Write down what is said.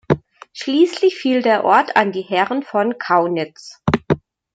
Schließlich fiel der Ort an die Herren von Kaunitz.